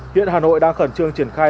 hiện hà nội đang khẩn trương triển khai